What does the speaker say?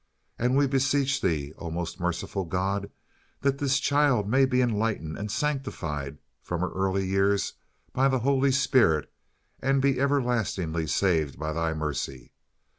And we beseech Thee, O most merciful God, that this child may be enlightened and sanctified from her early years by the Holy Spirit, and be everlastingly saved by Thy mercy.